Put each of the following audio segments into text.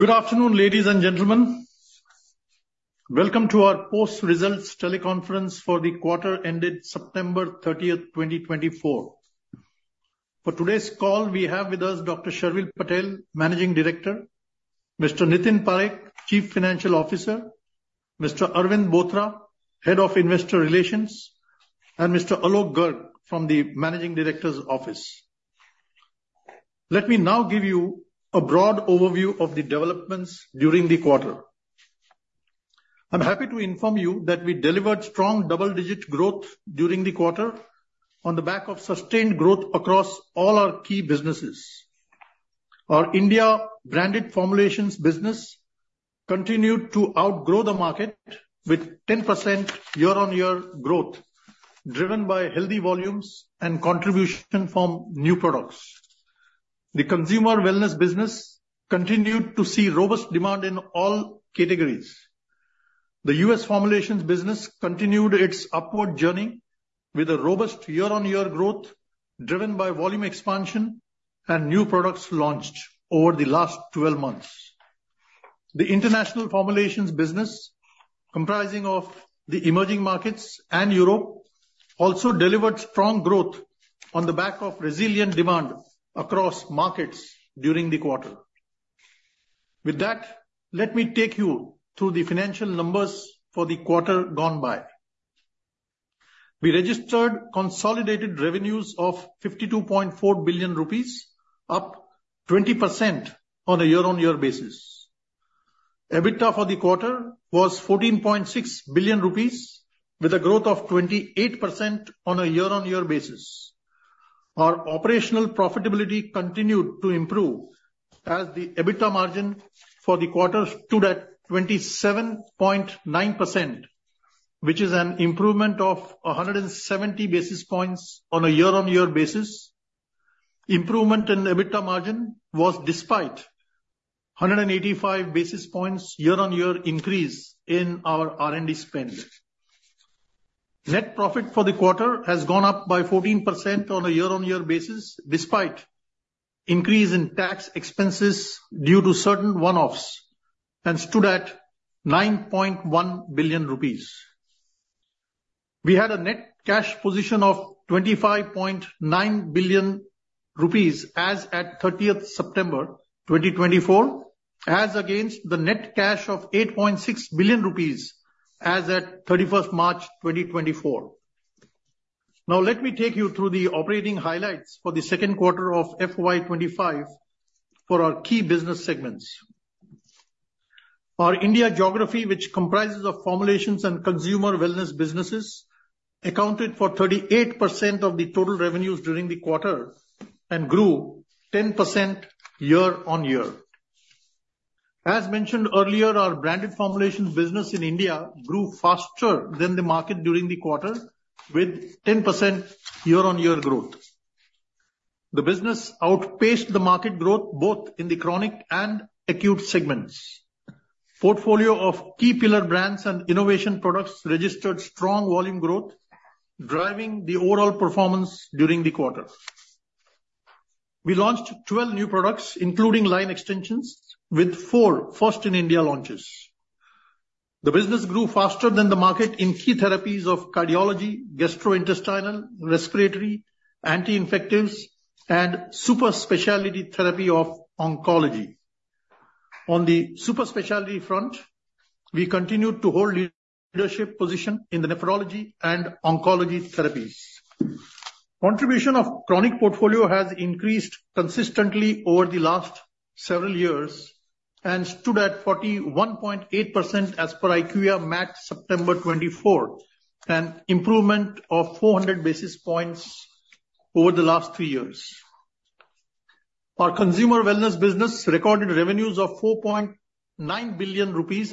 Good afternoon, ladies and gentlemen. Welcome to our post-results teleconference for the quarter ended September 30, 2024. For today's call, we have with us Dr. Sharvil Patel, Managing Director, Mr. Nitin Parekh, Chief Financial Officer, Mr. Arvind Bothra, Head of Investor Relations, and Mr. Alok Garg from the Managing Director's Office. Let me now give you a broad overview of the developments during the quarter. I'm happy to inform you that we delivered strong double-digit growth during the quarter on the back of sustained growth across all our key businesses. Our India branded formulations business continued to outgrow the market with 10% year-on-year growth, driven by healthy volumes and contribution from new products. The consumer wellness business continued to see robust demand in all categories. The US formulations business continued its upward journey with a robust year-on-year growth, driven by volume expansion and new products launched over the last 12 months. The international formulations business, comprising of the emerging markets and Europe, also delivered strong growth on the back of resilient demand across markets during the quarter. With that, let me take you through the financial numbers for the quarter gone by. We registered consolidated revenues of 52.4 billion rupees, up 20% on a year-on-year basis. EBITDA for the quarter was 14.6 billion rupees, with a growth of 28% on a year-on-year basis. Our operational profitability continued to improve as the EBITDA margin for the quarter stood at 27.9%, which is an improvement of 170 basis points on a year-on-year basis. Improvement in EBITDA margin was despite 185 basis points year-on-year increase in our R&D spend. Net profit for the quarter has gone up by 14% on a year-on-year basis despite increase in tax expenses due to certain one-offs and stood at ₹9.1 billion. We had a net cash position of ₹25.9 billion as at 30 September 2024, as against the net cash of ₹8.6 billion as at 31 March 2024. Now, let me take you through the operating highlights for the second quarter of FY25 for our key business segments. Our India geography, which comprises of formulations and consumer wellness businesses, accounted for 38% of the total revenues during the quarter and grew 10% year-on-year. As mentioned earlier, our branded formulation business in India grew faster than the market during the quarter, with 10% year-on-year growth. The business outpaced the market growth both in the chronic and acute segments. Portfolio of key pillar brands and innovation products registered strong volume growth, driving the overall performance during the quarter. We launched 12 new products, including line extensions, with four first-in-India launches. The business grew faster than the market in key therapies of cardiology, gastrointestinal, respiratory, anti-infectives, and super specialty therapy of oncology. On the super specialty front, we continued to hold leadership position in the nephrology and oncology therapies. Contribution of chronic portfolio has increased consistently over the last several years and stood at 41.8% as per IQVIA MAT September 2024, an improvement of 400 basis points over the last three years. Our consumer wellness business recorded revenues of ₹4.9 billion,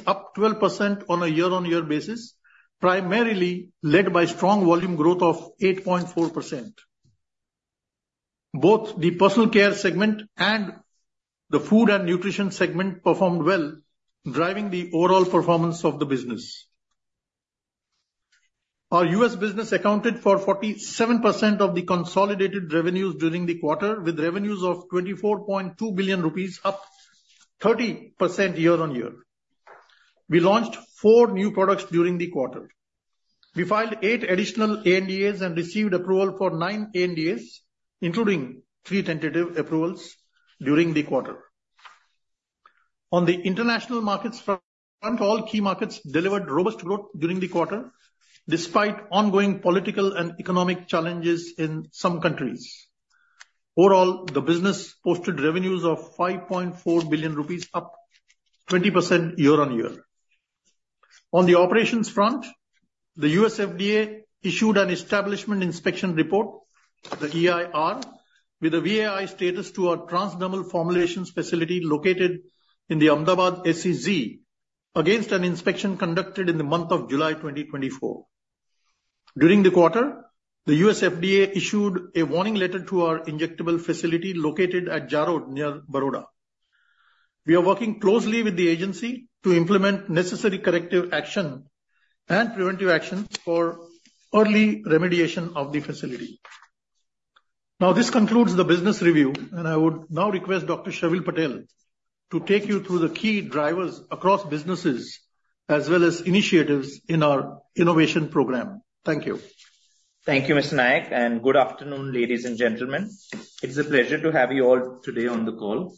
up 12% on a year-on-year basis, primarily led by strong volume growth of 8.4%. Both the personal care segment and the food and nutrition segment performed well, driving the overall performance of the business. Our U.S. business accounted for 47% of the consolidated revenues during the quarter, with revenues of 24.2 billion rupees, up 30% year-on-year. We launched four new products during the quarter. We filed eight additional ANDAs and received approval for nine ANDAs, including three tentative approvals during the quarter. On the international markets front, all key markets delivered robust growth during the quarter, despite ongoing political and economic challenges in some countries. Overall, the business posted revenues of 5.4 billion rupees, up 20% year-on-year. On the operations front, the U.S. FDA issued an establishment inspection report, the EIR, with a VAI status to our transdermal formulations facility located in the Ahmedabad SEZ, against an inspection conducted in the month of July 2024. During the quarter, the U.S. FDA issued a warning letter to our injectable facility located at Jarod, near Baroda. We are working closely with the agency to implement necessary corrective action and preventive actions for early remediation of the facility. Now, this concludes the business review, and I would now request Dr. Sharvil Patel to take you through the key drivers across businesses as well as initiatives in our innovation program. Thank you. Thank you, Mr. Nayak, and good afternoon, ladies and gentlemen. It's a pleasure to have you all today on the call.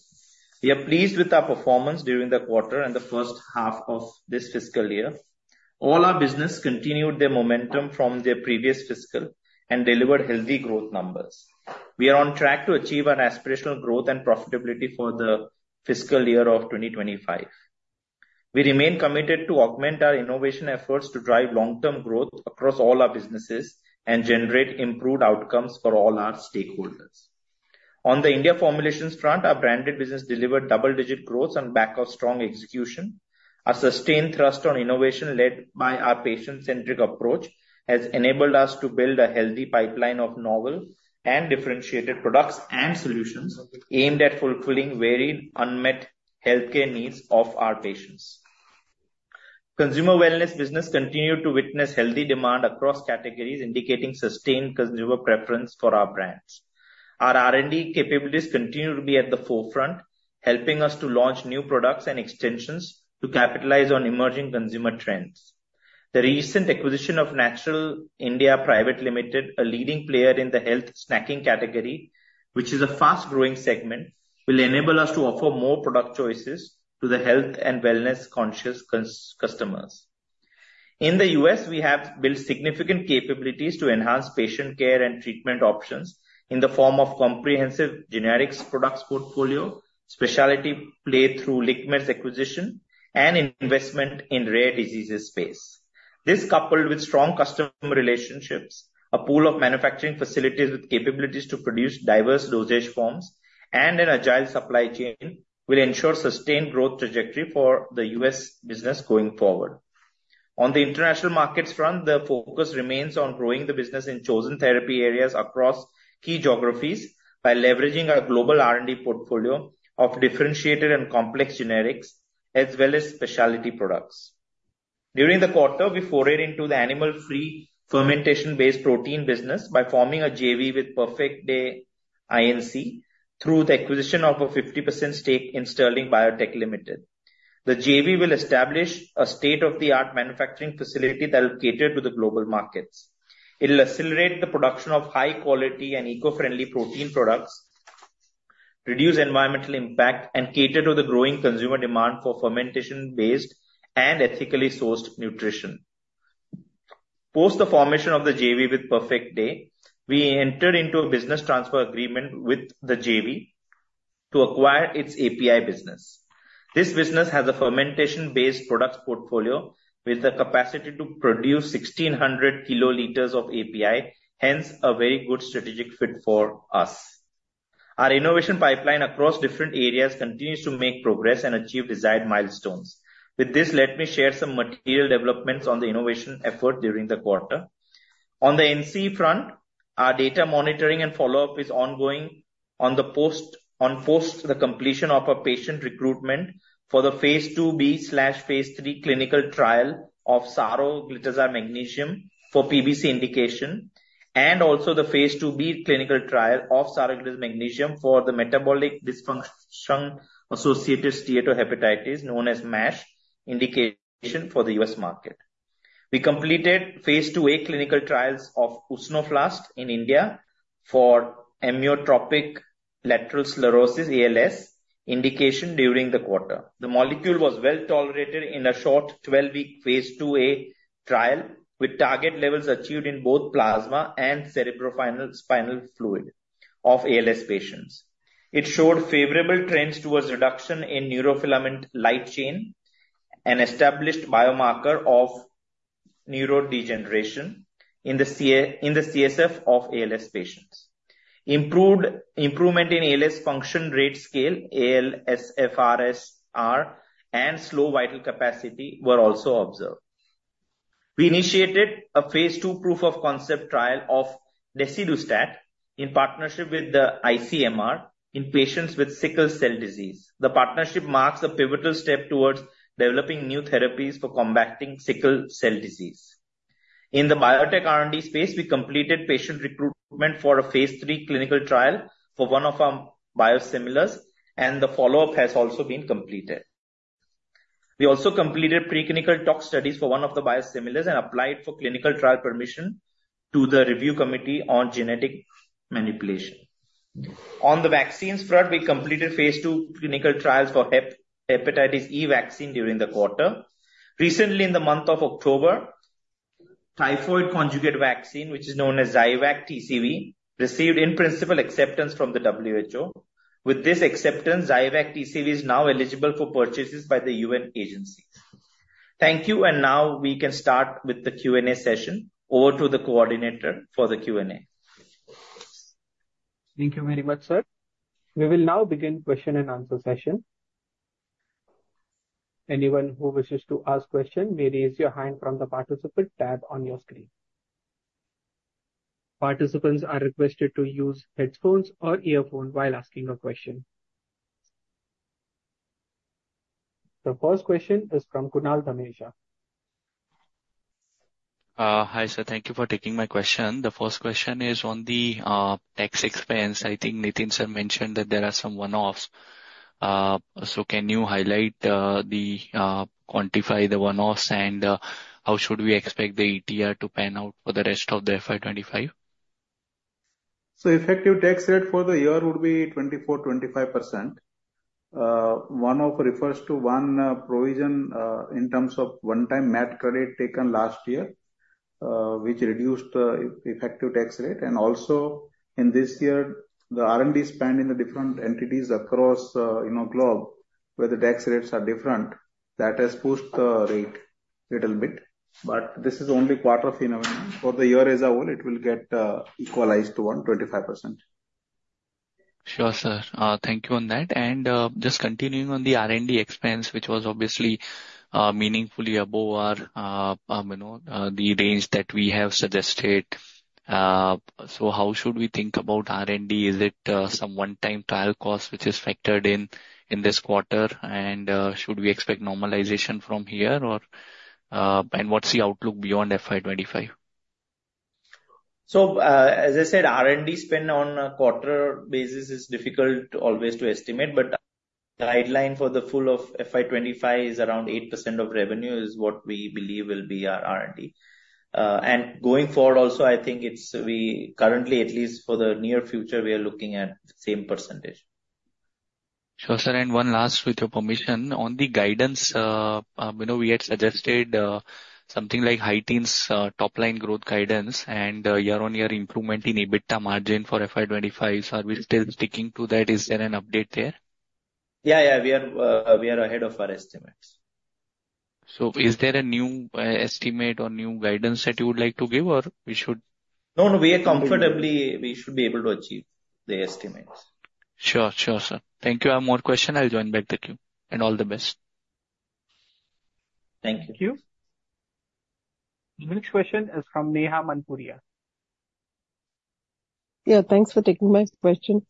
We are pleased with our performance during the quarter and the first half of this fiscal year. All our business continued their momentum from their previous fiscal and delivered healthy growth numbers. We are on track to achieve our aspirational growth and profitability for the fiscal year of 2025. We remain committed to augment our innovation efforts to drive long-term growth across all our businesses and generate improved outcomes for all our stakeholders. On the India formulations front, our branded business delivered double-digit growth on back of strong execution. Our sustained thrust on innovation led by our patient-centric approach has enabled us to build a healthy pipeline of novel and differentiated products and solutions aimed at fulfilling varied unmet healthcare needs of our patients. Consumer wellness business continued to witness healthy demand across categories, indicating sustained consumer preference for our brands. Our R&D capabilities continue to be at the forefront, helping us to launch new products and extensions to capitalize on emerging consumer trends. The recent acquisition of Naturell (India) Pvt. Ltd., a leading player in the health snacking category, which is a fast-growing segment, will enable us to offer more product choices to the health and wellness-conscious customers. In the U.S., we have built significant capabilities to enhance patient care and treatment options in the form of comprehensive generics products portfolio, specialty play through liquids acquisition, and investment in rare diseases space. This, coupled with strong customer relationships, a pool of manufacturing facilities with capabilities to produce diverse dosage forms, and an agile supply chain, will ensure sustained growth trajectory for the U.S. business going forward. On the international markets front, the focus remains on growing the business in chosen therapy areas across key geographies by leveraging our global R&D portfolio of differentiated and complex generics as well as specialty products. During the quarter, we forayed into the animal-free fermentation-based protein business by forming a JV with Perfect Day Inc. through the acquisition of a 50% stake in Sterling Biotech Limited. The JV will establish a state-of-the-art manufacturing facility that will cater to the global markets. It will accelerate the production of high-quality and eco-friendly protein products, reduce environmental impact, and cater to the growing consumer demand for fermentation-based and ethically sourced nutrition. Post the formation of the JV with Perfect Day, we entered into a business transfer agreement with the JV to acquire its API business. This business has a fermentation-based products portfolio with the capacity to produce 1,600 kiloliters of API, hence a very good strategic fit for us. Our innovation pipeline across different areas continues to make progress and achieve desired milestones. With this, let me share some material developments on the innovation effort during the quarter. On the NCE front, our data monitoring and follow-up is ongoing post the completion of our patient recruitment for the phase 2B/phase 3 clinical trial of Saroglitazar magnesium for PBC indication, and also the phase 2B clinical trial of Saroglitazar magnesium for the metabolic dysfunction-associated steatohepatitis, known as MASH, indication for the U.S. market. We completed phase 2A clinical trials of Usnoflast in India for amyotrophic lateral sclerosis, ALS, indication during the quarter. The molecule was well tolerated in a short 12-week phase 2A trial with target levels achieved in both plasma and cerebrospinal fluid of ALS patients. It showed favorable trends towards reduction in neurofilament light chain and established biomarker of neurodegeneration in the CSF of ALS patients. Improvement in ALS function rate scale, ALSFRS-R, and slow vital capacity were also observed. We initiated a phase 2 proof-of-concept trial of Desidustat in partnership with the ICMR in patients with sickle cell disease. The partnership marks a pivotal step towards developing new therapies for combating sickle cell disease. In the biotech R&D space, we completed patient recruitment for a phase 3 clinical trial for one of our biosimilars, and the follow-up has also been completed. We also completed preclinical tox studies for one of the biosimilars and applied for clinical trial permission to the review committee on genetic manipulation. On the vaccines front, we completed phase 2 clinical trials for hepatitis E vaccine during the quarter. Recently, in the month of October, typhoid conjugate vaccine, which is known as ZyVac TCV, received in-principle acceptance from the WHO. With this acceptance, ZyVac TCV is now eligible for purchases by the UN agency. Thank you, and now we can start with the Q&A session. Over to the coordinator for the Q&A. Thank you very much, sir. We will now begin question and answer session. Anyone who wishes to ask a question may raise your hand from the participant tab on your screen. Participants are requested to use headphones or earphones while asking a question. The first question is from Kunal Dhamesha. Hi, sir. Thank you for taking my question. The first question is on the tax expense. I think Nitin sir mentioned that there are some one-offs. So can you highlight and quantify the one-offs and how should we expect the ETR to pan out for the rest of the FY25? Effective tax rate for the year would be 24-25%. One-off refers to one provision in terms of one-time MAT credit taken last year, which reduced the effective tax rate. And also, in this year, the R&D spend in the different entities across the globe where the tax rates are different, that has pushed the rate a little bit. But this is only quarter of innovation. For the year as a whole, it will get equalized to 125%. Sure, sir. Thank you on that. And just continuing on the R&D expense, which was obviously meaningfully above the range that we have suggested. So how should we think about R&D? Is it some one-time trial cost which is factored in this quarter? And should we expect normalization from here? And what's the outlook beyond FY25? So, as I said, R&D spend on a quarter basis is difficult always to estimate, but the guideline for the full of FY25 is around 8% of revenue is what we believe will be our R&D. And going forward also, I think we currently, at least for the near future, we are looking at the same percentage. Sure, sir, and one last, with your permission, on the guidance, we had suggested something like high teens top-line growth guidance and year-on-year improvement in EBITDA margin for FY25. Are we still sticking to that? Is there an update there? Yeah, yeah. We are ahead of our estimates. So is there a new estimate or new guidance that you would like to give, or we should? No, no. We are comfortably. We should be able to achieve the estimates. Sure, sure, sir. Thank you. I have more questions. I'll join back the queue. And all the best. Thank you. Thank you. Next question is from Neha Manpuria. Yeah, thanks for taking my question.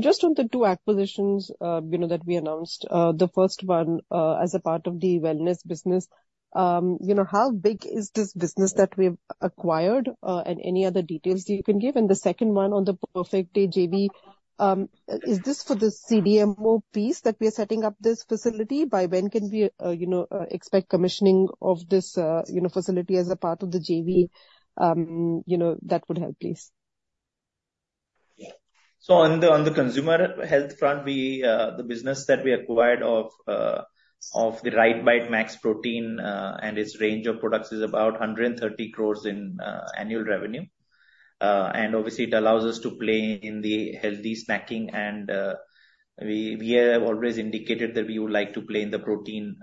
Just on the two acquisitions that we announced, the first one as a part of the wellness business, how big is this business that we have acquired? And any other details you can give? And the second one on the Perfect Day JV, is this for the CDMO piece that we are setting up this facility? By when can we expect commissioning of this facility as a part of the JV? That would help, please. On the consumer health front, the business that we acquired of the RiteBite Max Protein and its range of products is about 130 crores in annual revenue. And obviously, it allows us to play in the healthy snacking. And we have always indicated that we would like to play in the protein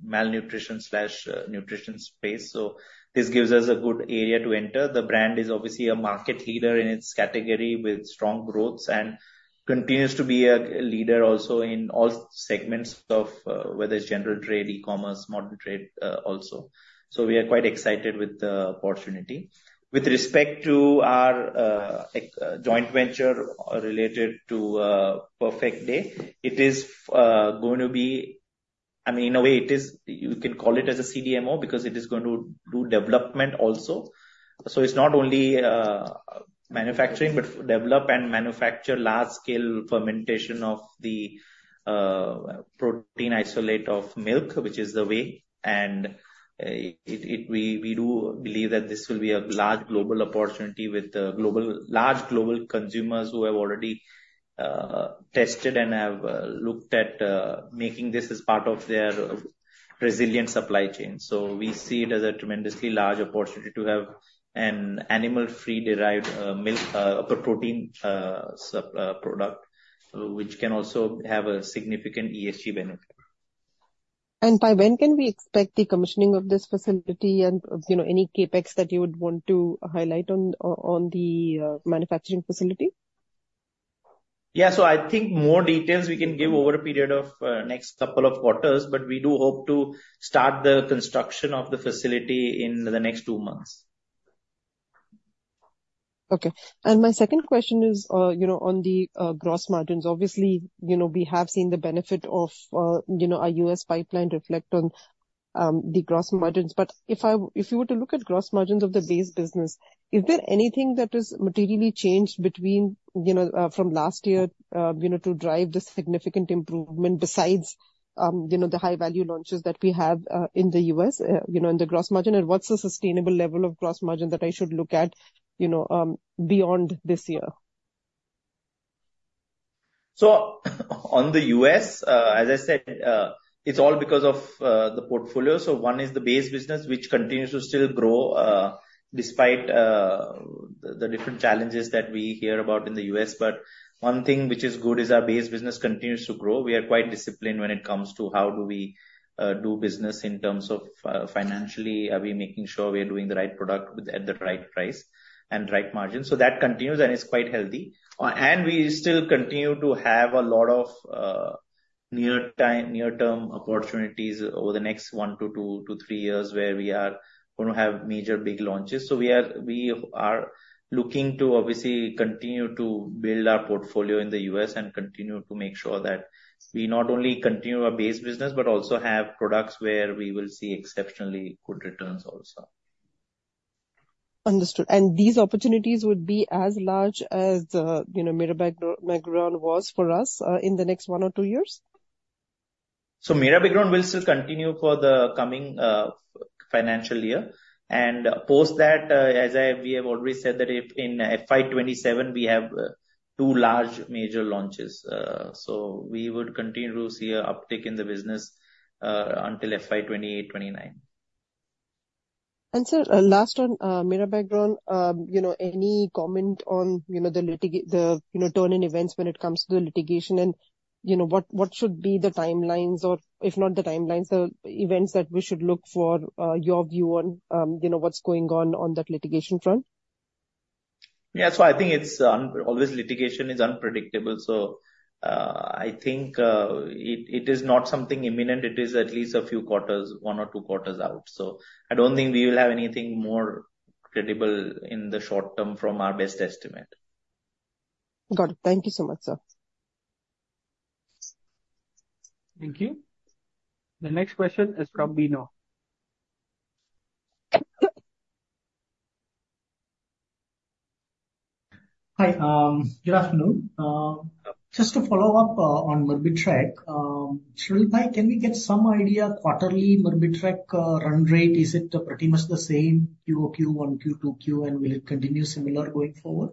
malnutrition/nutrition space. So this gives us a good area to enter. The brand is obviously a market leader in its category with strong growth and continues to be a leader also in all segments of whether it's general trade, e-commerce, modern trade also. So we are quite excited with the opportunity. With respect to our joint venture related to Perfect Day, it is going to be I mean, in a way, you can call it as a CDMO because it is going to do development also. So it's not only manufacturing, but develop and manufacture large-scale fermentation of the protein isolate of milk, which is the way. And we do believe that this will be a large global opportunity with large global consumers who have already tested and have looked at making this as part of their resilient supply chain. So we see it as a tremendously large opportunity to have an animal-free derived protein product, which can also have a significant ESG benefit. By when can we expect the commissioning of this facility and any CapEx that you would want to highlight on the manufacturing facility? Yeah, so I think more details we can give over a period of next couple of quarters, but we do hope to start the construction of the facility in the next two months. Okay. And my second question is on the gross margins. Obviously, we have seen the benefit of our U.S. pipeline reflect on the gross margins. But if you were to look at gross margins of the base business, is there anything that has materially changed from last year to drive this significant improvement besides the high-value launches that we have in the U.S. in the gross margin? And what's the sustainable level of gross margin that I should look at beyond this year? So on the U.S., as I said, it's all because of the portfolio. So one is the base business, which continues to still grow despite the different challenges that we hear about in the U.S. But one thing which is good is our base business continues to grow. We are quite disciplined when it comes to how do we do business in terms of financially, are we making sure we are doing the right product at the right price and right margin? So that continues, and it's quite healthy. And we still continue to have a lot of near-term opportunities over the next one to two to three years where we are going to have major big launches. We are looking to obviously continue to build our portfolio in the U.S. and continue to make sure that we not only continue our base business, but also have products where we will see exceptionally good returns also. Understood. And these opportunities would be as large as Mirabegron was for us in the next one or two years? Mirabegron will still continue for the coming financial year. Post that, as we have already said, that in FY27, we have two large major launches. We would continue to see an uptick in the business until FY28-29. Sir, last on Mirabegron, any comment on the turning events when it comes to the litigation? What should be the timelines, or if not the timelines, the events that we should look for? Your view on what's going on that litigation front? Yeah, so I think it's always litigation is unpredictable. So I think it is not something imminent. It is at least a few quarters, one or two quarters out. So I don't think we will have anything more credible in the short term from our best estimate. Got it. Thank you so much, sir. Thank you. The next question is from Bino. Hi. Good afternoon. Just to follow up on Mirabegron, Sharvil Patel, can we get some idea quarterly Mirabegron run rate? Is it pretty much the same QOQ, 1Q, 2Q, and will it continue similar going forward?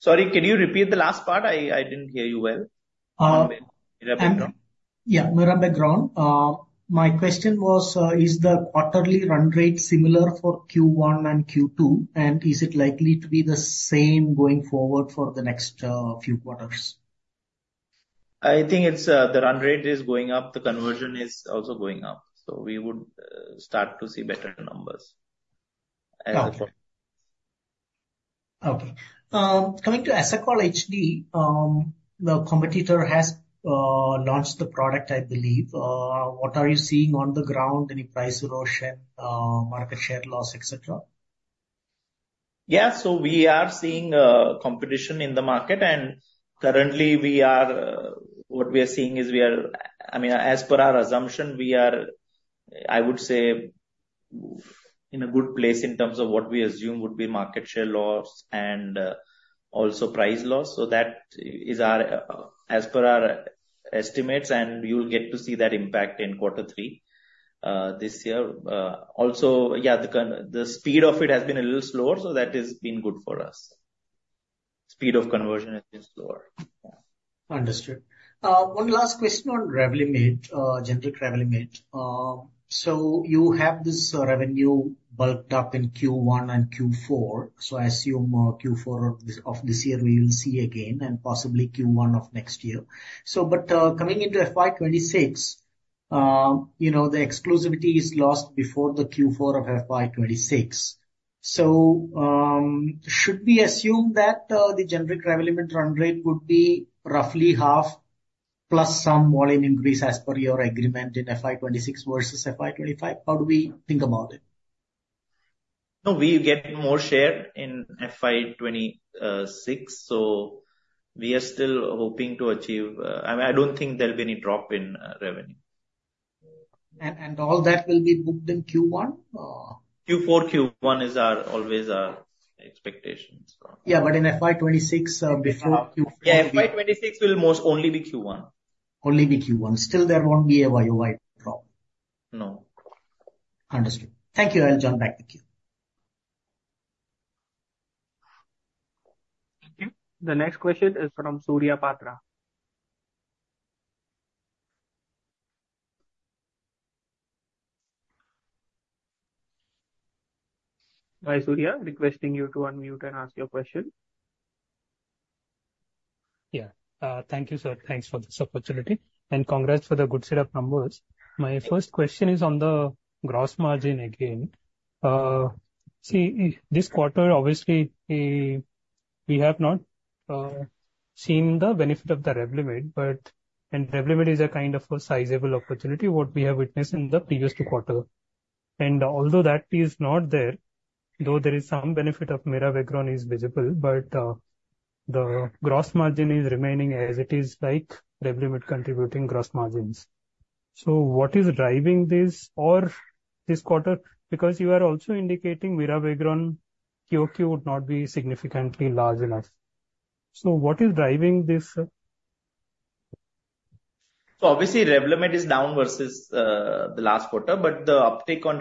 Sorry, can you repeat the last part? I didn't hear you well. Yeah, Mirabegron. My question was, is the quarterly run rate similar for Q1 and Q2? And is it likely to be the same going forward for the next few quarters? I think the run rate is going up. The conversion is also going up. So we would start to see better numbers. Okay. Coming to Asacol HD, the competitor has launched the product, I believe. What are you seeing on the ground? Any price erosion, market share loss, etc.? Yeah, so we are seeing competition in the market. And currently, what we are seeing is we are. I mean, as per our assumption, we are, I would say, in a good place in terms of what we assume would be market share loss and also price loss. So that is our as per our estimates, and you'll get to see that impact in quarter three this year. Also, yeah, the speed of it has been a little slower, so that has been good for us. Speed of conversion has been slower. Understood. One last question on Revlimid, generic Revlimid. So you have this revenue bulked up in Q1 and Q4. So I assume Q4 of this year we will see again and possibly Q1 of next year. But coming into FY26, the exclusivity is lost before the Q4 of FY26. So should we assume that the generic Revlimid run rate would be roughly half plus some volume increase as per your agreement in FY26 versus FY25? How do we think about it? No, we get more share in FY26, so we are still hoping to achieve. I don't think there'll be any drop in revenue. All that will be booked in Q1? Q4, Q1 is always our expectation. Yeah, but in FY26 before Q1. Yeah, FY26 will most only be Q1. Only by Q1. Still, there won't be a YOY problem. No. Understood. Thank you. I'll jump back to you. Thank you. The next question is from Surya Patra. Hi, Surya. Requesting you to unmute and ask your question. Yeah. Thank you, sir. Thanks for this opportunity. And congrats for the good set of numbers. My first question is on the gross margin again. See, this quarter, obviously, we have not seen the benefit of the Revlimid, and Revlimid is a kind of a sizable opportunity what we have witnessed in the previous two quarters. And although that is not there, though there is some benefit of Mirabegron is visible, but the gross margin is remaining as it is like Revlimid contributing gross margins. So what is driving this or this quarter? Because you are also indicating Mirabegron QOQ would not be significantly large enough. So what is driving this, sir? So obviously, Revlimid is down versus the last quarter, but the uptake on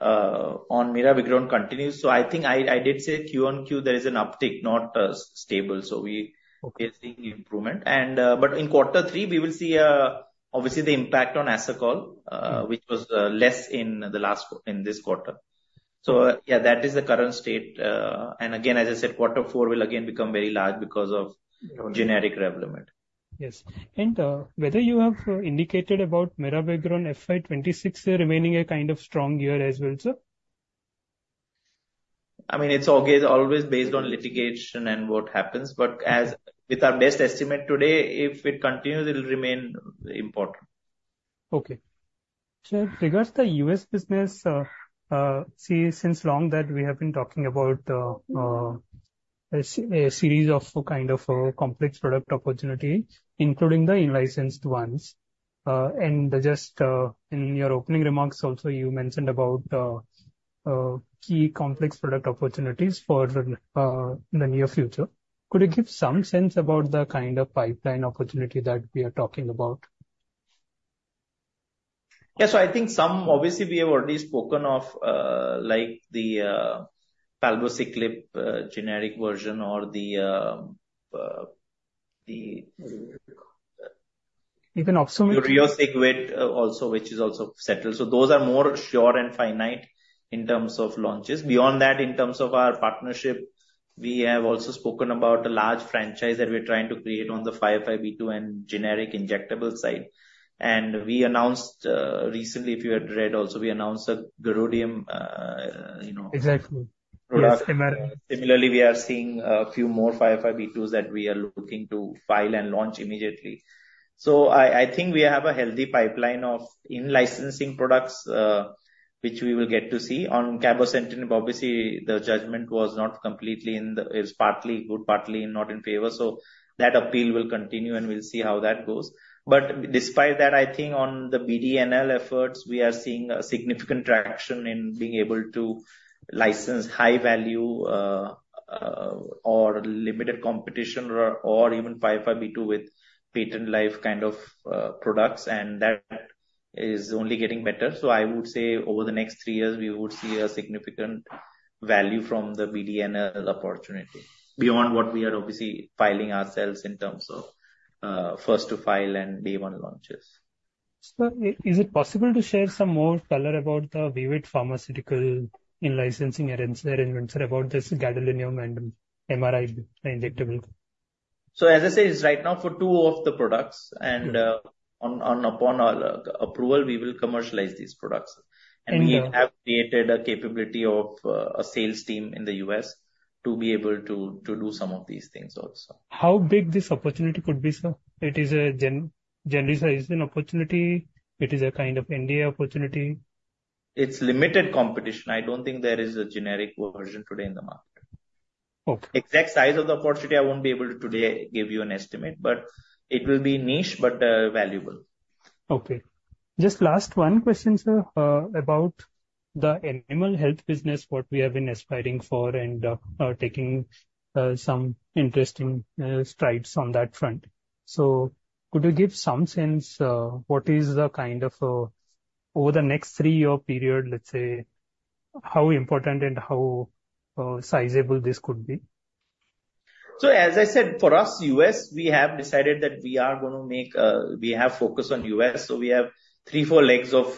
Mirabegron continues. So I think I did say Q1, Q2, there is an uptake, not stable. So we are seeing improvement. But in quarter three, we will see obviously the impact on Asacol HD, which was less in this quarter. So yeah, that is the current state. And again, as I said, quarter four will again become very large because of generic Revlimid. Yes. And whether you have indicated about Mirabegron FY26 remaining a kind of strong year as well, sir? I mean, it's always based on litigation and what happens. But with our best estimate today, if it continues, it will remain important. Okay. Sir, with regard to the US business, see, for long that we have been talking about a series of kind of complex product opportunities, including the in-licensed ones. And just in your opening remarks, also, you mentioned about key complex product opportunities for the near future. Could you give some sense about the kind of pipeline opportunity that we are talking about? Yeah, so I think some, obviously, we have already spoken of like the Palbociclib generic version or the. You can also mention. Riociguat also, which is also settled. So those are more sure and finite in terms of launches. Beyond that, in terms of our partnership, we have also spoken about a large franchise that we're trying to create on the 505(b)(2) and generic injectable side. And we announced recently, if you had read also, we announced a gadolinium. Exactly. Similarly, we are seeing a few more 505(b)(2)s that we are looking to file and launch immediately. So I think we have a healthy pipeline of in-licensing products, which we will get to see. On Cabozantinib, obviously, the judgment was not completely in the. It's partly good, partly not in favor. So that appeal will continue, and we'll see how that goes. But despite that, I think on the BDNL efforts, we are seeing a significant traction in being able to license high-value or limited competition or even 505(b)(2) with patent-life kind of products. And that is only getting better. So I would say over the next three years, we would see a significant value from the BDNL opportunity beyond what we are obviously filing ourselves in terms of first-to-file and day-one launches. Sir, is it possible to share some more color about the Viwit Pharmaceuticals in-licensing arrangements about this gadolinium and MRI injectable? So as I said, it's right now for two of the products. And upon approval, we will commercialize these products. And we have created a capability of a sales team in the U.S. to be able to do some of these things also. How big this opportunity could be, sir? It is a genericizing opportunity. It is a kind of NDA opportunity. It's limited competition. I don't think there is a generic version today in the market. Okay. Exact size of the opportunity, I won't be able to today give you an estimate, but it will be niche, but valuable. Okay. Just last one question, sir, about the animal health business, what we have been aspiring for and taking some interesting strides on that front, so could you give some sense what is the kind of over the next three-year period, let's say, how important and how sizable this could be? So as I said, for us, U.S., we have decided that we are going to make. We have focus on U.S. So we have three, four legs of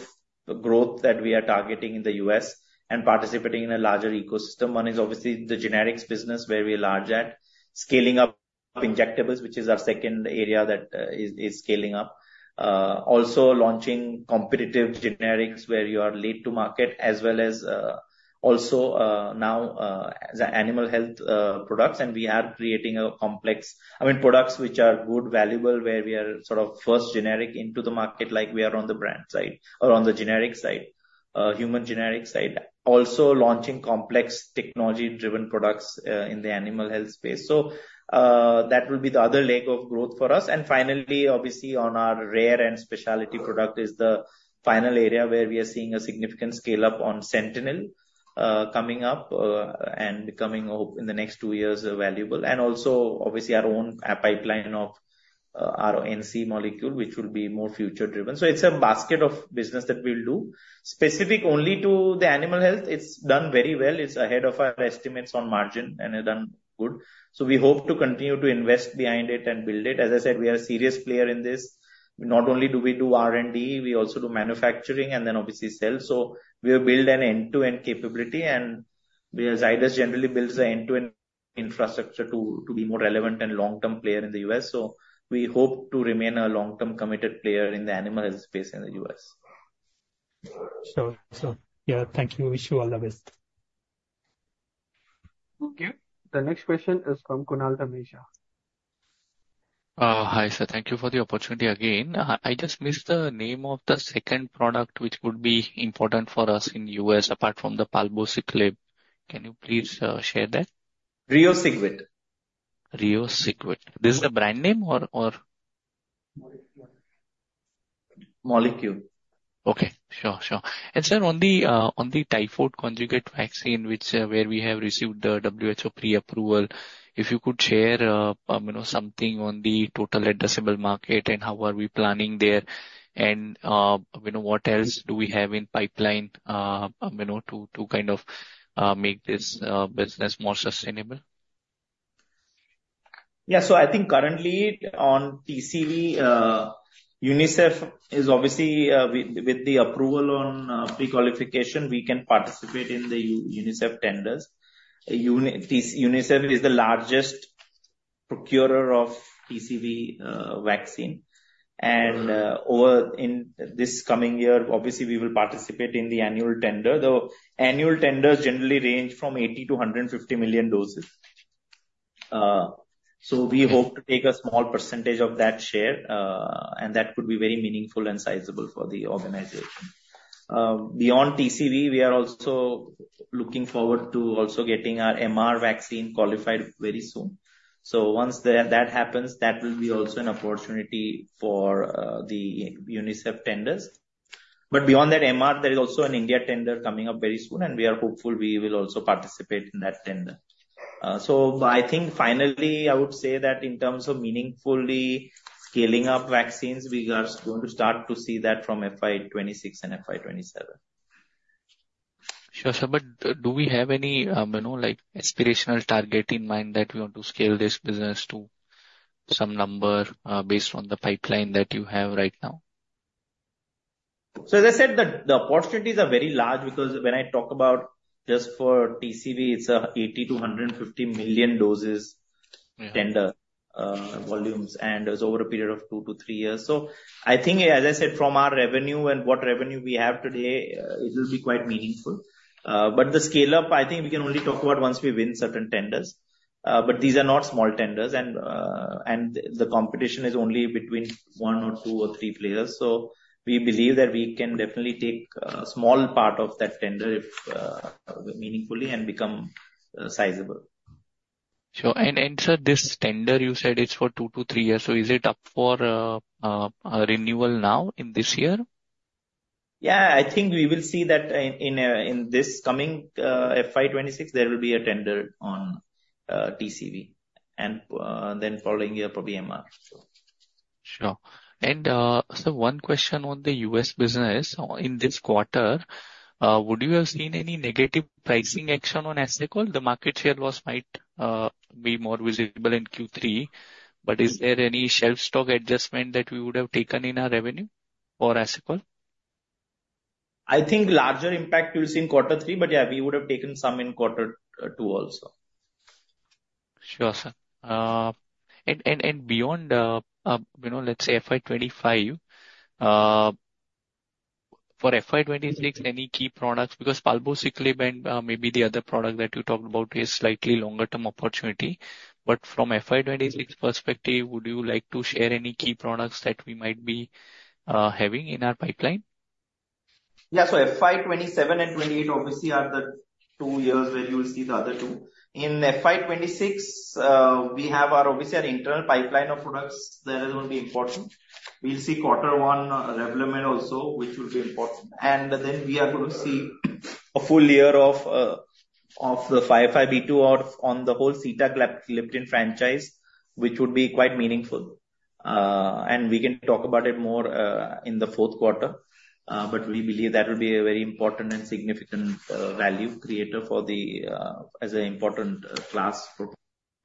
growth that we are targeting in the U.S. and participating in a larger ecosystem. One is obviously the generics business where we are largely scaling up injectables, which is our second area that is scaling up. Also launching competitive generics where you are late to market, as well as also now the animal health products. And we are creating a complex, I mean, products which are good, valuable, where we are sort of first generic into the market, like we are on the brand side or on the generic side, human generic side. Also launching complex technology-driven products in the animal health space. So that will be the other leg of growth for us. And finally, obviously, on our rare and specialty product is the final area where we are seeing a significant scale-up on Sentynl coming up and becoming, in the next two years, valuable. And also, obviously, our own pipeline of our NC molecule, which will be more future-driven. So it's a basket of business that we'll do. Specific only to the animal health, it's done very well. It's ahead of our estimates on margin and done good. So we hope to continue to invest behind it and build it. As I said, we are a serious player in this. Not only do we do R&D, we also do manufacturing and then obviously sales. So we will build an end-to-end capability. And Zydus generally builds an end-to-end infrastructure to be more relevant and long-term player in the US. So we hope to remain a long-term committed player in the animal health space in the U.S. Sure. Sure. Yeah. Thank you. Wish you all the best. Thank you. The next question is from Kunal Dhamesha. Hi, sir. Thank you for the opportunity again. I just missed the name of the second product which would be important for us in the US apart from the Palbociclib. Can you please share that? Riosig Wet. Riociguat. This is the brand name or? Molecule. Molecule. Okay. Sure. Sure. And, sir, on the typhoid conjugate vaccine, which is where we have received the WHO pre-approval, if you could share something on the total admissible market and how are we planning there and what else do we have in pipeline to kind of make this business more sustainable? Yeah. So I think currently on TCV, with the approval on pre-qualification, we can participate in the UNICEF tenders. UNICEF is the largest procurer of TCV vaccine. And over this coming year, obviously, we will participate in the annual tender. The annual tenders generally range from 80-150 million doses. So we hope to take a small percentage of that share, and that could be very meaningful and sizable for the organization. Beyond TCV, we are also looking forward to also getting our MR vaccine qualified very soon. So once that happens, that will be also an opportunity for the UNICEF tenders. But beyond that MR, there is also an India tender coming up very soon, and we are hopeful we will also participate in that tender. I think finally, I would say that in terms of meaningfully scaling up vaccines, we are going to start to see that from FY26 and FY27. Sure, sir, but do we have any aspirational target in mind that we want to scale this business to some number based on the pipeline that you have right now? As I said, the opportunities are very large because when I talk about just for TCV, it's 80-150 million doses tender volumes and it's over a period of two to three years. I think, as I said, from our revenue and what revenue we have today, it will be quite meaningful. The scale-up, I think we can only talk about once we win certain tenders. These are not small tenders, and the competition is only between one or two or three players. We believe that we can definitely take a small part of that tender meaningfully and become sizable. Sure. And, sir, this tender you said it's for two to three years. So, is it up for renewal now in this year? Yeah. I think we will see that in this coming FY26, there will be a tender on TCV and then following year probably MR. Sure. And sir, one question on the US business in this quarter. Would you have seen any negative pricing action on Asacol? The market share loss might be more visible in Q3. But is there any shelf stock adjustment that we would have taken in our revenue for Asacol? I think larger impact we'll see in quarter three, but yeah, we would have taken some in quarter two also. Sure, sir. And beyond, let's say FY25, for FY26, any key products because Palbociclib and maybe the other product that you talked about is slightly longer-term opportunity. But from FY26 perspective, would you like to share any key products that we might be having in our pipeline? Yeah. So FY27 and 28 obviously are the two years where you will see the other two. In FY26, we have obviously our internal pipeline of products that are going to be important. We'll see quarter one regulatory also, which will be important. And then we are going to see a full year of the 505(b)(2) on the whole Sitagliptin franchise, which would be quite meaningful. And we can talk about it more in the fourth quarter. But we believe that will be a very important and significant value creator for the, as an important class for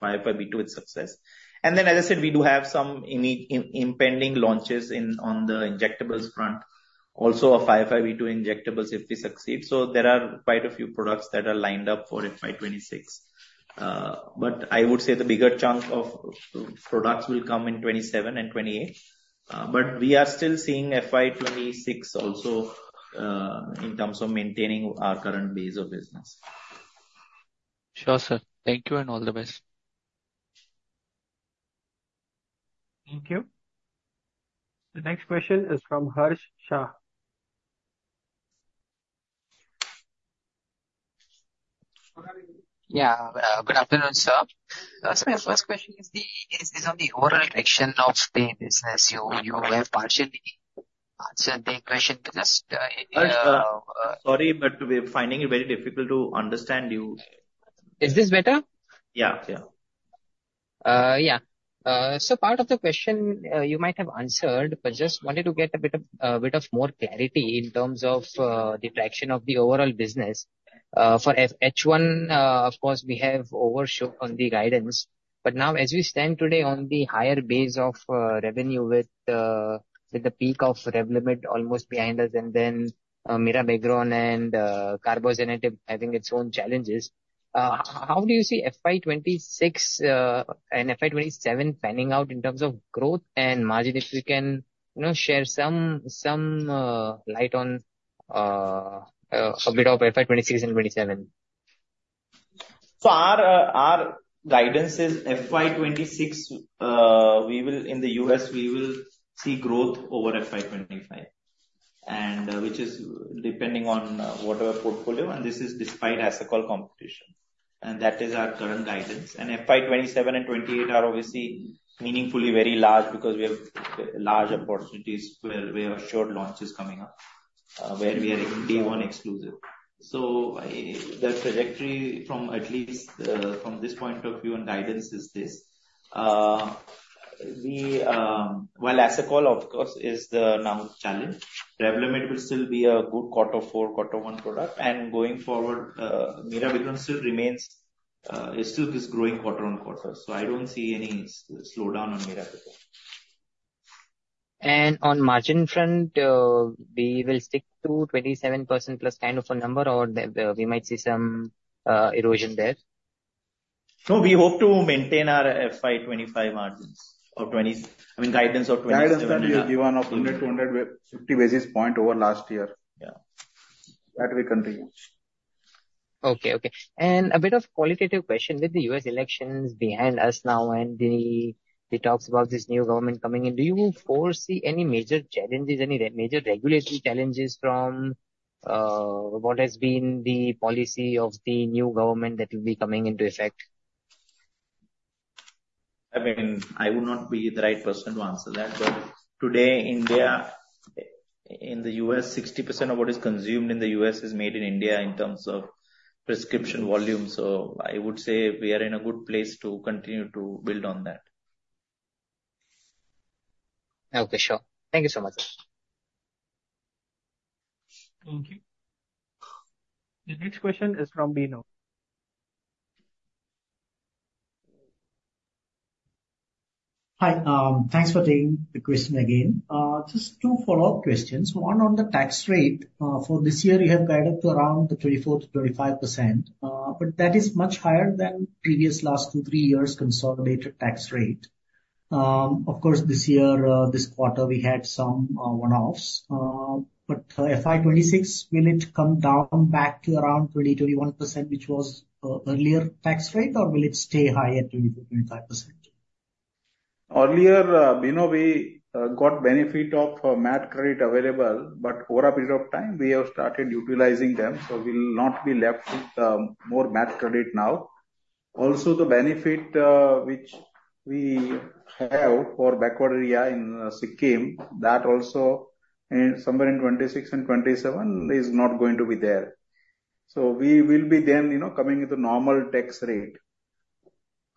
505(b)(2) with success. And then, as I said, we do have some impending launches on the injectables front, also of 505(b)(2) injectables if we succeed. So there are quite a few products that are lined up for FY26. But I would say the bigger chunk of products will come in 2027 and 2028. But we are still seeing FY26 also in terms of maintaining our current base of business. Sure, sir. Thank you and all the best. Thank you. The next question is from Harsh Shah. Yeah. Good afternoon, sir. So my first question is on the overall direction of the business. You have partially answered the question just in your. Sorry, but we're finding it very difficult to understand you. Is this better? Yeah. Yeah. Yeah. So part of the question you might have answered, but just wanted to get a bit of more clarity in terms of the traction of the overall business. For H1, of course, we have overshoot on the guidance. But now, as we stand today on the higher base of revenue with the peak of Revlimid almost behind us, and then Mirabegron and Cabozantinib having its own challenges, how do you see FY26 and FY27 panning out in terms of growth and margin? If you can share some light on a bit of FY26 and 27. So our guidance is FY26, in the U.S., we will see growth over FY25, which is depending on whatever portfolio. And this is our current guidance. And FY27 and 28 are obviously meaningfully very large because we have large opportunities where we have short launches coming up where we are in day-one exclusive. So the trajectory from at least this point of view and guidance is this. While Asacol, of course, is the now challenge, Revlimid will still be a good quarter four, quarter one product. And going forward, Mirabegron still remains this growing quarter on quarter. So I don't see any slowdown on Mirabegron. On margin front, we will stick to 27% plus kind of a number, or we might see some erosion there? No, we hope to maintain our FY25 margins or guidance or 27. Guidance and the margin of 100-150 basis points over last year. That will continue. Okay. And a bit of qualitative question. With the U.S. elections behind us now and the talks about this new government coming in, do you foresee any major challenges, any major regulatory challenges from what has been the policy of the new government that will be coming into effect? I mean, I would not be the right person to answer that. But today, in the U.S., 60% of what is consumed in the U.S. is made in India in terms of prescription volume. So I would say we are in a good place to continue to build on that. Okay. Sure. Thank you so much, sir. Thank you. The next question is from Bino. Hi. Thanks for taking the question again. Just two follow-up questions. One on the tax rate. For this year, you have guided to around 24%-25%, but that is much higher than previous last two, three years' consolidated tax rate. Of course, this year, this quarter, we had some one-offs. But FY26, will it come down back to around 20%-21%, which was earlier tax rate, or will it stay high at 24%-25%? Earlier, Bino, we got benefit of MAT Credit available, but over a period of time, we have started utilizing them. So we'll not be left with more MAT Credit now. Also, the benefit which we have for backward area in Sikkim, that also somewhere in 2026 and 2027 is not going to be there. So we will be then coming into normal tax rate.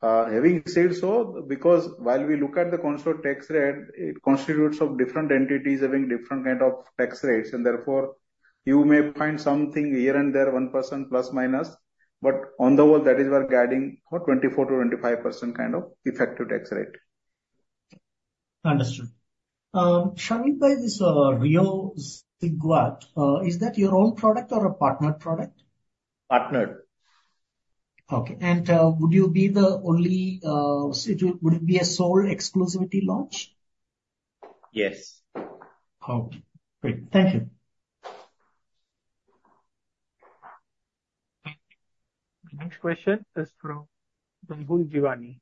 Having said so, because while we look at the consolidated tax rate, it constitutes of different entities having different kind of tax rates. And therefore, you may find something here and there, 1% plus minus. But on the whole, that is what we are guiding for 24%-25% kind of effective tax rate. Understood. Zydus's Riociguat, is that your own product or a partnered product? Partnered. Okay. And would you be the only would it be a sole exclusivity launch? Yes. Okay. Great. Thank you. Next question is from Zainul Jeewani.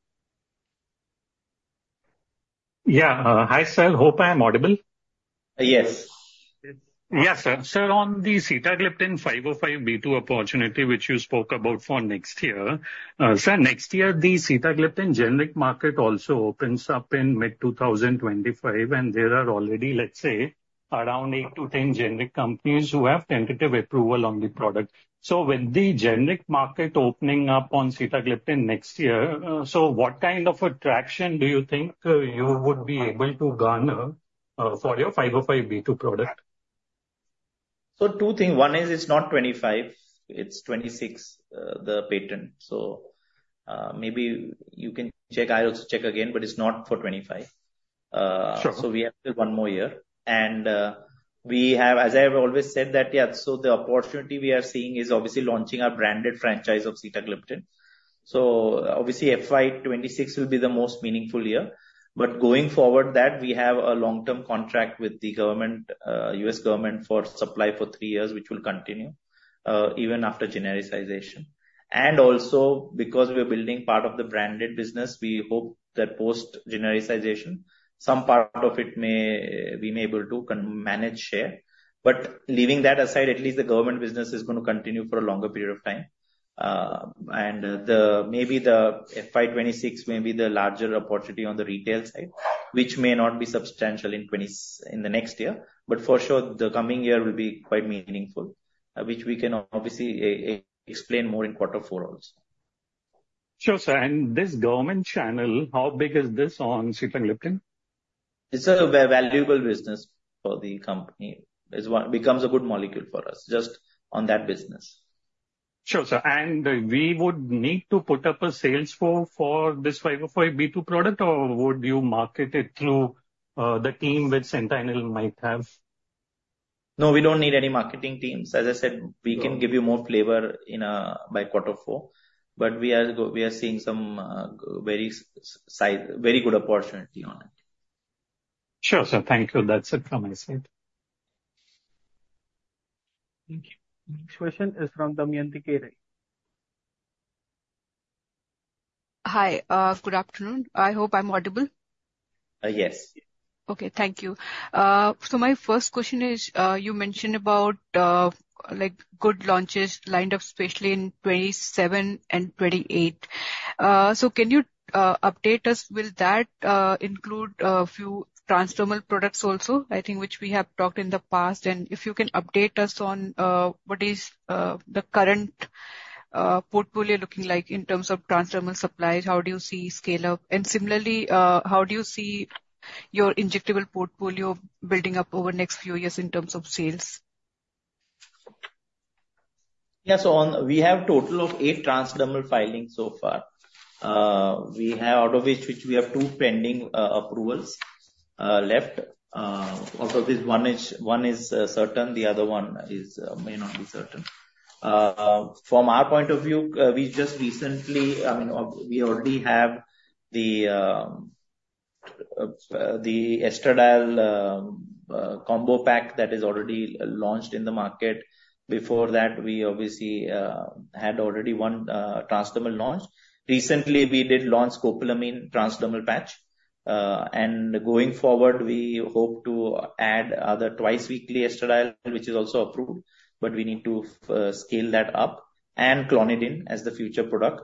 Yeah. Hi, sir. Hope I am audible? Yes. Yes, sir. Sir, on the Sitagliptin 505(b)(2) opportunity, which you spoke about for next year, sir, next year, the Sitagliptin generic market also opens up in mid-2025. And there are already, let's say, around eight to 10 generic companies who have tentative approval on the product. So with the generic market opening up on Sitagliptin next year, so what kind of a traction do you think you would be able to garner for your 505(b)(2) product? So two things. One is it's not 25. It's 26, the patent. So maybe you can check. I'll also check again, but it's not for 25. So we have one more year. And we have, as I have always said, that, yeah, so the opportunity we are seeing is obviously launching our branded franchise of Sitagliptin. So obviously, FY26 will be the most meaningful year. But going forward, that we have a long-term contract with the U.S. government for supply for three years, which will continue even after genericization. And also, because we are building part of the branded business, we hope that post-genericization, some part of it we may be able to manage share. But leaving that aside, at least the government business is going to continue for a longer period of time. Maybe the FY26 may be the larger opportunity on the retail side, which may not be substantial in the next year. For sure, the coming year will be quite meaningful, which we can obviously explain more in quarter four also. Sure, sir. And this government channel, how big is this on Sitagliptin? It's a valuable business for the company. It becomes a good molecule for us just on that business. Sure, sir. And we would need to put up a sales force for this 505(b)(2) product, or would you market it through the team with Sentinel? Might have? No, we don't need any marketing teams. As I said, we can give you more flavor by quarter four. But we are seeing some very good opportunity on it. Sure, sir. Thank you. That's it from my side. Thank you. Next question is from Damayanti Kerai. Hi. Good afternoon. I hope I'm audible. Yes. Okay. Thank you. So my first question is, you mentioned about good launches lined up, especially in 27 and 28. So can you update us? Will that include a few transdermal products also, I think, which we have talked in the past? And if you can update us on what is the current portfolio looking like in terms of transdermal supplies, how do you see scale-up? And similarly, how do you see your injectable portfolio building up over the next few years in terms of sales? Yeah. So we have a total of eight transdermal filings so far, out of which we have two pending approvals left. Out of this, one is certain. The other one may not be certain. From our point of view, we just recently I mean, we already have the Estradiol Combo Pack that is already launched in the market. Before that, we obviously had already one transdermal launch. Recently, we did launch Scopolamine transdermal patch. And going forward, we hope to add other twice-weekly Estradiol, which is also approved. But we need to scale that up and Clonidine as the future product.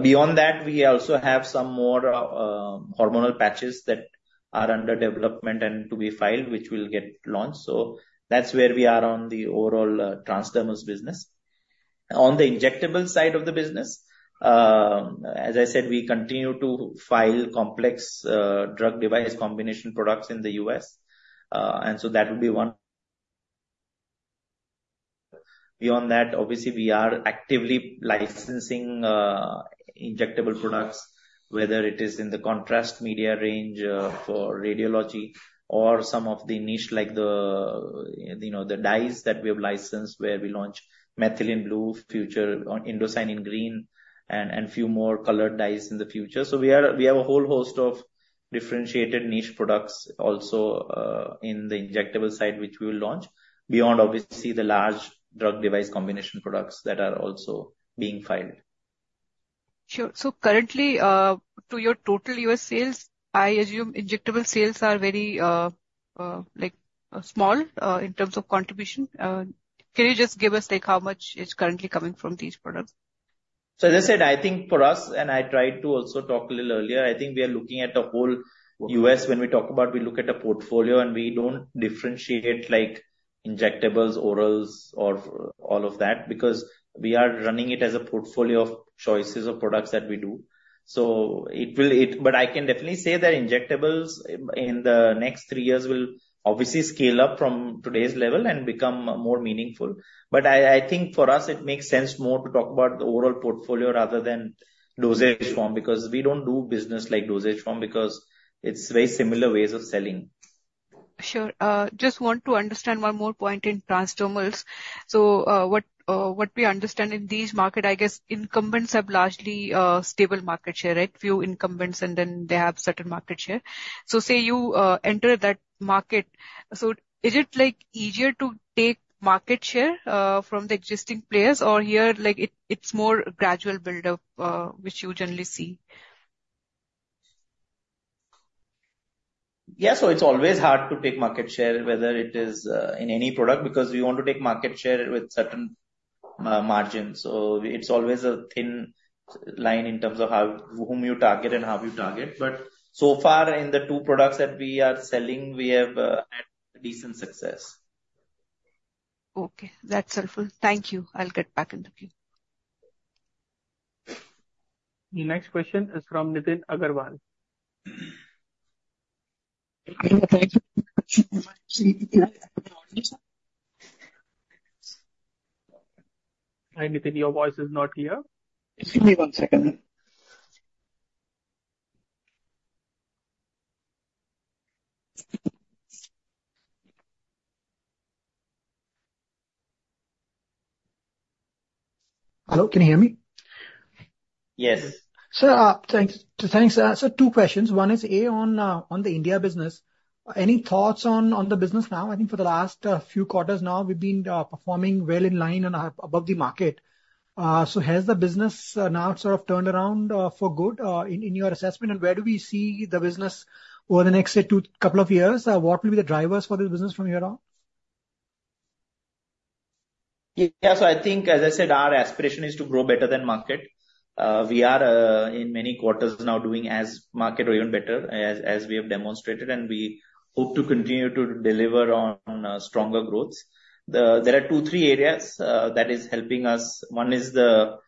Beyond that, we also have some more hormonal patches that are under development and to be filed, which will get launched. So that's where we are on the overall transdermal business. On the injectable side of the business, as I said, we continue to file complex drug-device combination products in the U.S. And so that would be one. Beyond that, obviously, we are actively licensing injectable products, whether it is in the contrast media range for radiology or some of the niche like the dyes that we have licensed where we launch Methylene Blue, Indocyanine Green, and a few more colored dyes in the future. So we have a whole host of differentiated niche products also in the injectable side, which we will launch, beyond obviously the large drug-device combination products that are also being filed. Sure. So currently, to your total U.S. sales, I assume injectable sales are very small in terms of contribution. Can you just give us how much is currently coming from these products? So as I said, I think for us, and I tried to also talk a little earlier, I think we are looking at the whole U.S. When we talk about, we look at a portfolio, and we don't differentiate injectables, orals, or all of that because we are running it as a portfolio of choices of products that we do. But I can definitely say that injectables in the next three years will obviously scale up from today's level and become more meaningful. But I think for us, it makes sense more to talk about the overall portfolio rather than dosage form because we don't do business like dosage form because it's very similar ways of selling. Sure. Just want to understand one more point in transdermals. So what we understand in these markets, I guess incumbents have largely stable market share, right? Few incumbents, and then they have certain market share. So say you enter that market, so is it easier to take market share from the existing players, or here it's more gradual build-up, which you generally see? Yeah. So it's always hard to take market share, whether it is in any product, because we want to take market share with certain margins. So it's always a thin line in terms of whom you target and how you target. But so far, in the two products that we are selling, we have had decent success. Okay. That's helpful. Thank you. I'll get back in the queue. Next question is from Nitin Agarwal. Hi, Nitin. Your voice is not here. One second. Hello? Can you hear me? Yes. Sir, thanks. So two questions. One is, A, on the India business, any thoughts on the business now? I think for the last few quarters now, we've been performing well in line and above the market. So has the business now sort of turned around for good in your assessment? And where do we see the business over the next, say, couple of years? What will be the drivers for this business from here on? Yeah. So I think, as I said, our aspiration is to grow better than market. We are, in many quarters now, doing as market or even better as we have demonstrated, and we hope to continue to deliver on stronger growth. There are two, three areas that are helping us. One is the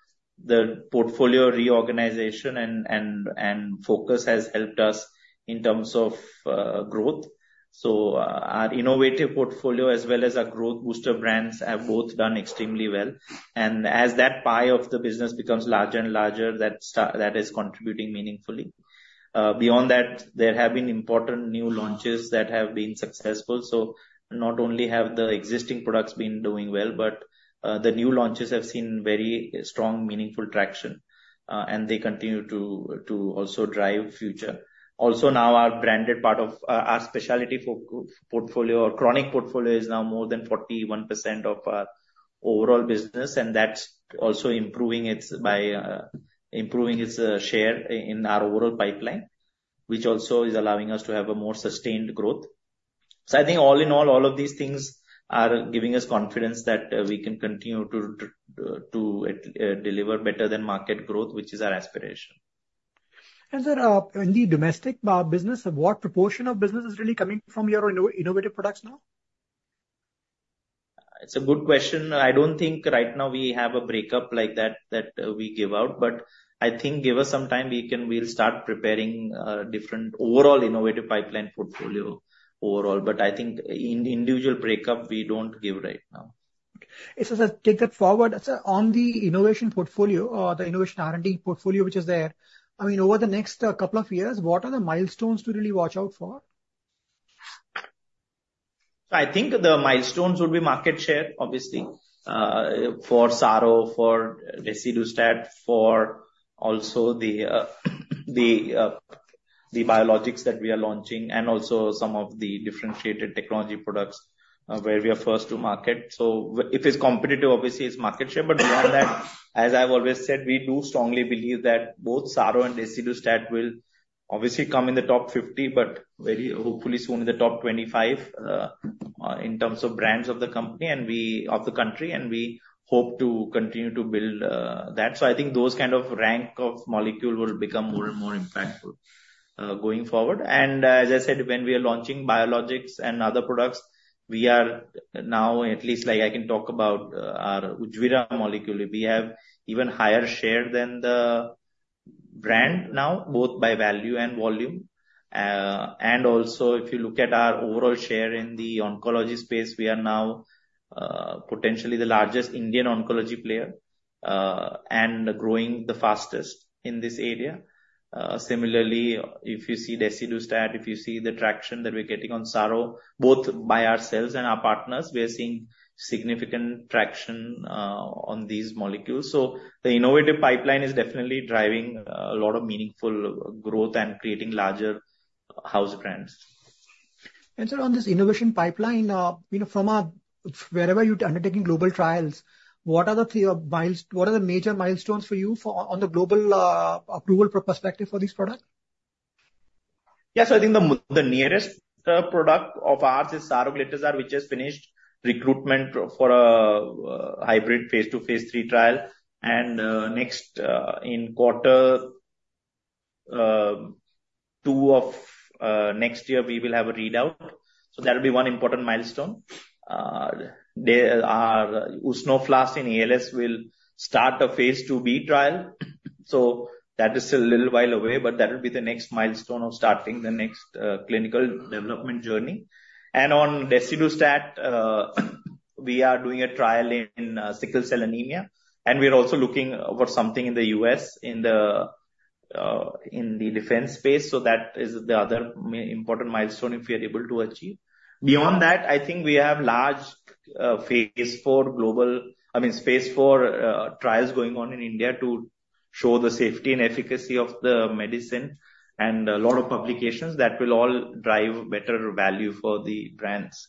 portfolio reorganization, and focus has helped us in terms of growth. So our innovative portfolio, as well as our growth booster brands, have both done extremely well. And as that pie of the business becomes larger and larger, that is contributing meaningfully. Beyond that, there have been important new launches that have been successful. So not only have the existing products been doing well, but the new launches have seen very strong, meaningful traction, and they continue to also drive future. Also, now our branded part of our specialty portfolio or chronic portfolio is now more than 41% of our overall business, and that's also improving its share in our overall pipeline, which also is allowing us to have a more sustained growth. So I think all in all, all of these things are giving us confidence that we can continue to deliver better than market growth, which is our aspiration. In the domestic business, what proportion of business is really coming from your innovative products now? It's a good question. I don't think right now we have a breakup like that we give out. But I think give us some time, we'll start preparing different overall innovative pipeline portfolio overall. But I think individual breakup, we don't give right now. So take that forward. On the innovation portfolio, the innovation R&D portfolio, which is there, I mean, over the next couple of years, what are the milestones to really watch out for? I think the milestones would be market share, obviously, for Saro, for Desidustat, for also the biologics that we are launching, and also some of the differentiated technology products where we are first to market. If it's competitive, obviously, it's market share. But beyond that, as I've always said, we do strongly believe that both Saro and Desidustat will obviously come in the top 50, but very hopefully soon in the top 25 in terms of brands of the country and we hope to continue to build that. I think those kind of rank of molecule will become more and more impactful going forward. As I said, when we are launching biologics and other products, we are now at least I can talk about our Ujvira molecule. We have even higher share than the brand now, both by value and volume. And also, if you look at our overall share in the oncology space, we are now potentially the largest Indian oncology player and growing the fastest in this area. Similarly, if you see Desidustat, if you see the traction that we're getting on Saro, both by ourselves and our partners, we are seeing significant traction on these molecules. So the innovative pipeline is definitely driving a lot of meaningful growth and creating larger house brands. And so on this innovation pipeline, from wherever you're undertaking global trials, what are the major milestones for you on the global approval perspective for these products? Yeah. So I think the nearest product of ours is Saroglitazide, which has finished recruitment for a hybrid phase two, phase three trial. And next in quarter two of next year, we will have a readout. So that will be one important milestone. Our Usnoflast in ALS will start a phase two B trial. So that is still a little while away, but that will be the next milestone of starting the next clinical development journey. And on Desidustat, we are doing a trial in sickle cell anemia. And we're also looking for something in the U.S. in the defense space. So that is the other important milestone if we are able to achieve. Beyond that, I think we have large phase four global, I mean, phase four trials going on in India to show the safety and efficacy of the medicine and a lot of publications that will all drive better value for the brands.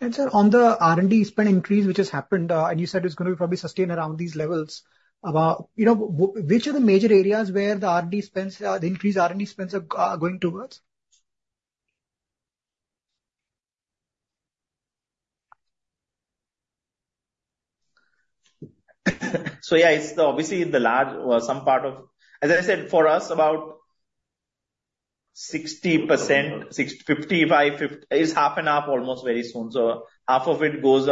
And so on the R&D spend increase, which has happened, and you said it's going to probably sustain around these levels, which are the major areas where the R&D spends, the increased R&D spends are going towards? Yeah, it's obviously the largest part of, as I said, for us, about 60%, 55-50 is half and half almost very soon. Half of it goes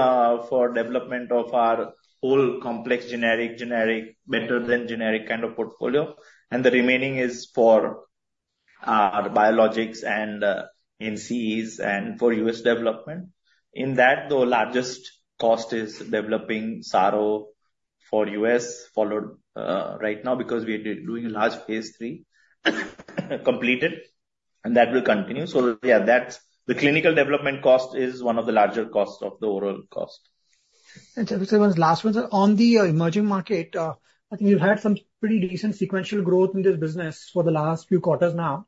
for development of our whole complex generic, better than generic kind of portfolio. The remaining is for our biologics and NCEs and for U.S. development. In that, the largest cost is developing Saro for U.S. followed right now because we are doing a large phase three completed, and that will continue. Yeah, the clinical development cost is one of the larger costs of the overall cost. And so, last one, on the emerging market, I think you've had some pretty decent sequential growth in this business for the last few quarters now.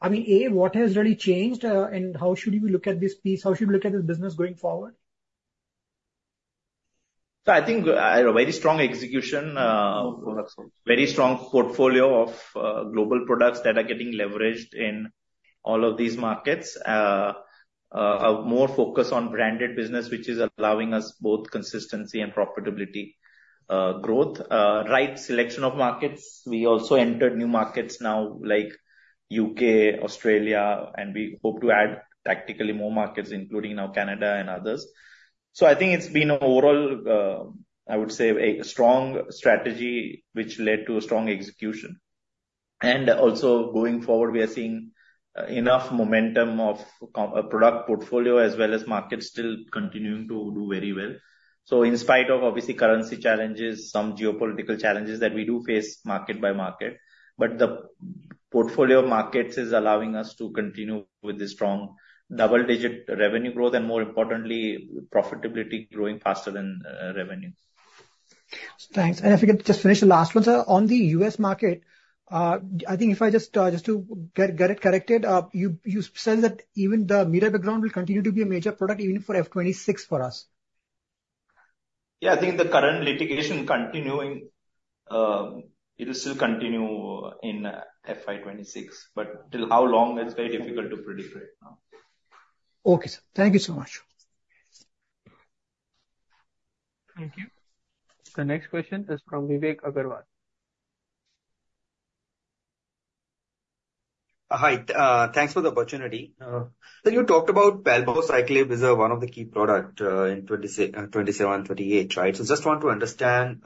I mean, A, what has really changed, and how should we look at this piece? How should we look at this business going forward? So I think very strong execution, very strong portfolio of global products that are getting leveraged in all of these markets, a more focus on branded business, which is allowing us both consistency and profitability growth, right selection of markets. We also entered new markets now like U.K., Australia, and we hope to add tactically more markets, including now Canada and others. So I think it's been overall, I would say, a strong strategy, which led to strong execution. And also going forward, we are seeing enough momentum of product portfolio as well as markets still continuing to do very well. So in spite of obviously currency challenges, some geopolitical challenges that we do face market by market, but the portfolio of markets is allowing us to continue with the strong double-digit revenue growth and more importantly, profitability growing faster than revenue. Thanks. And if we can just finish the last one. So on the U.S. market, I think if I just to get it corrected, you said that even Mirabegron will continue to be a major product even for FY26 for us. Yeah. I think the current litigation continuing, it will still continue in FY26, but how long, it's very difficult to predict right now. Okay. Thank you so much. Thank you. The next question is from Vivek Agarwal. Hi. Thanks for the opportunity. So you talked about Palbociclib is one of the key products in 27, 28, right? So just want to understand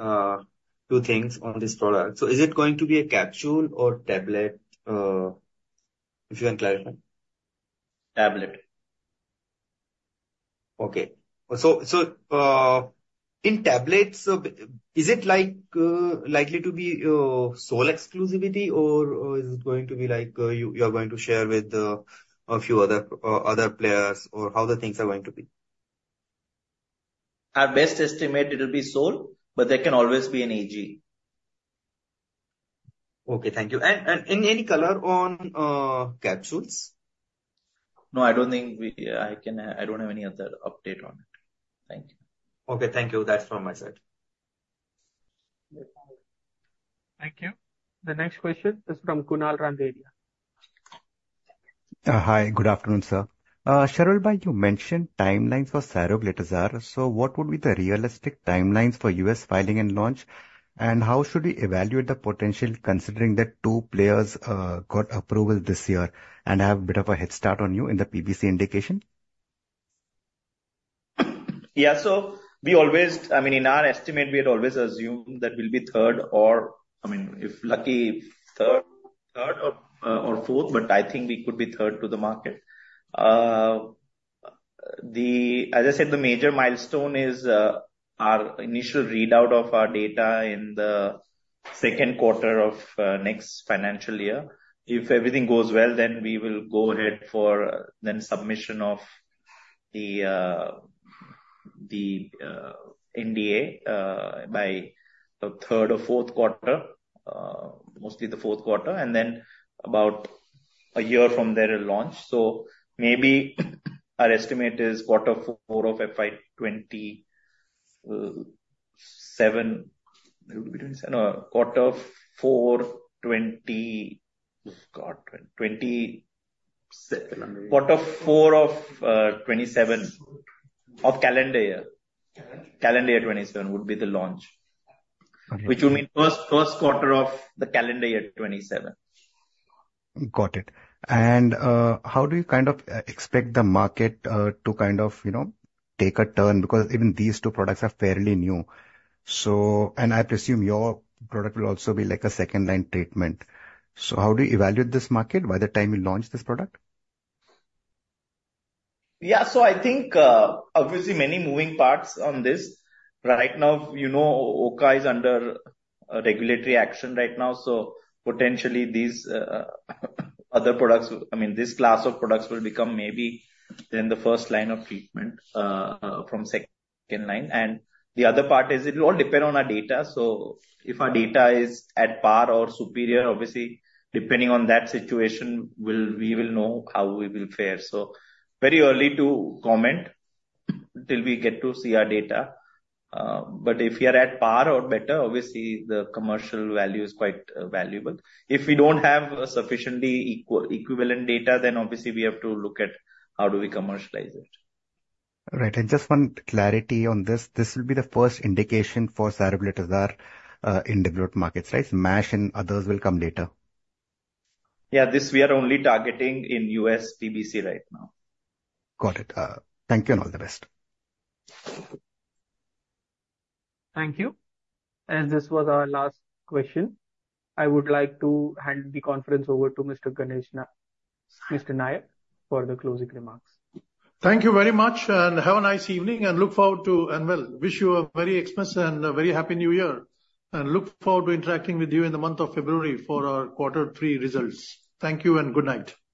two things on this product. So is it going to be a capsule or tablet if you can clarify? Tablet. Okay. So in tablets, is it likely to be sole exclusivity, or is it going to be like you are going to share with a few other players, or how the things are going to be? Our best estimate, it will be sole, but there can always be an AG. Okay. Thank you. And in any color on capsules? No, I don't think I can. I don't have any other update on it. Thank you. Okay. Thank you. That's from my side. Thank you. The next question is from Kunal Randeria. Hi. Good afternoon, sir. Sharvil, you mentioned timelines for Saroglitazar. So what would be the realistic timelines for US filing and launch, and how should we evaluate the potential considering that two players got approval this year and have a bit of a head start on you in the PBC indication? Yeah. So we always, I mean, in our estimate, we had always assumed that we'll be third or, I mean, if lucky third or fourth, but I think we could be third to the market. As I said, the major milestone is our initial readout of our data in the second quarter of next financial year. If everything goes well, then we will go ahead for then submission of the NDA by the third or fourth quarter, mostly the fourth quarter, and then about a year from there launch. So maybe our estimate is quarter four of FY27, no, quarter four of 2027 of calendar year. Calendar year 2027 would be the launch, which would mean first quarter of the calendar year 2027. Got it, and how do you kind of expect the market to kind of take a turn? Because even these two products are fairly new, and I presume your product will also be like a second-line treatment, so how do you evaluate this market by the time you launch this product? Yeah. So I think obviously many moving parts on this. Right now, Ocaliva is under regulatory action right now. So potentially these other products, I mean, this class of products will become maybe then the first line of treatment from second line. And the other part is it will all depend on our data. So if our data is at par or superior, obviously depending on that situation, we will know how we will fare. So very early to comment until we get to see our data. But if you're at par or better, obviously the commercial value is quite valuable. If we don't have sufficiently equivalent data, then obviously we have to look at how do we commercialize it. Right. And just one clarity on this. This will be the first indication for Saroglitazar in developed markets, right? MASH and others will come later. Yeah. This we are only targeting in U.S. PBC right now. Got it. Thank you and all the best. Thank you. And this was our last question. I would like to hand the conference over to Mr. Ganesh Nayak for the closing remarks. Thank you very much. And have a nice evening and look forward to, and well, wish you a very excellent and very happy New Year. And look forward to interacting with you in the month of February for our quarter three results. Thank you and good night.